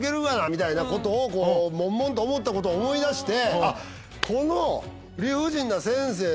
みたいなことをもんもんと思ったことを思い出して。